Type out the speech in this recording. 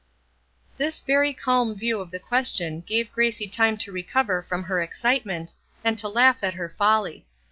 This very calm view of the question gave Gracie time to recover from her excitement, and to laugh at her folly.